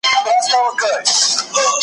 کریم سلطاني